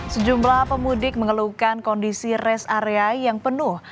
sejumlah pemudik mengeluhkan kondisi rest area yang penuh